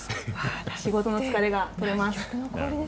仕事の疲れがとれます。